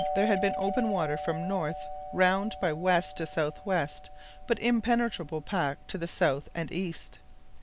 there had been open water from north round by west to south west, but impenetrable pack to the south and east.